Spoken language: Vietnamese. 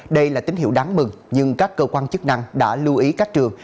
đây là tín hiệu đáng mừng nhưng các cơ quan chức năng đã lưu ý các trường